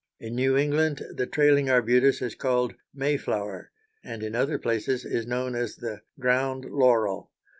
In New England the trailing arbutus is called May flower, and in other places is known as the ground laurel.